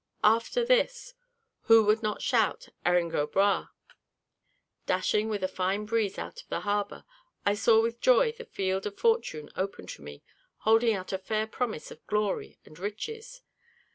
After this, who would not shout, "Erin go bragh!" Dashing with a fine breeze out of the harbour, I saw with joy the field of fortune open to me, holding out a fair promise of glory and riches.